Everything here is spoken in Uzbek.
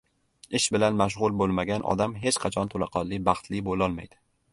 Ish bilan mashg‘ul bo‘lmagan odam hech qachon to‘laqonli baxtli bo‘lolmaydi